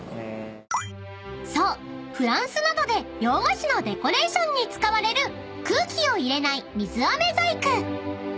フランスなどで洋菓子のデコレーションに使われる空気を入れない水あめ細工］